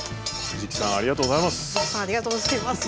藤木さんありがとうございます。